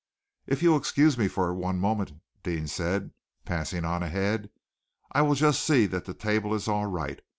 "If you will excuse me for one moment," Deane said, passing on ahead, "I will just see that the table is all right.